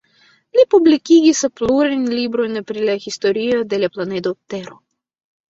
Li publikigis plurajn librojn pri la historio de la planedo Tero.